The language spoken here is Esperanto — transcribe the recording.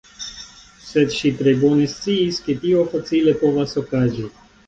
Sed ŝi tre bone sciis ke tio facile povas okazi.